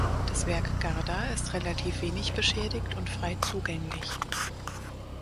Das Werk Garda ist relativ wenig beschädigt und frei zugänglich.